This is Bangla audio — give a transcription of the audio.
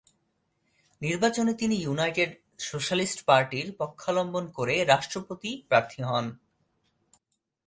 নির্বাচনে তিনি ইউনাইটেড সোশ্যালিস্ট পার্টি’র পক্ষাবলম্বন করে রাষ্ট্রপতি প্রার্থী হন।